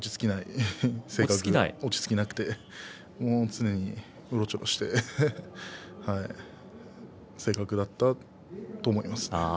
落ち着きなくて常にうろちょろしてという性格だったと思います。